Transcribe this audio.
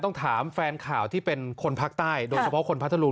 ต้องถามแฟนข่าวที่เป็นคนภาคใต้โดยเฉพาะคนพัทธรุง